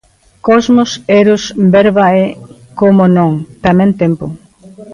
Cosmos, Eros, Verba e, como non, tamén Tempo.